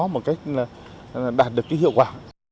một cách đạt được hiệu quả